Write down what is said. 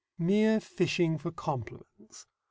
Mere fishing for compliments.